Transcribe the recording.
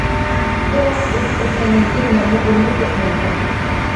بۇ ۋاقىت ئۆتۈپ كەتكەندىن كېيىن مەنمۇ ئۇرۇنۇپ كەتمەيتتىم.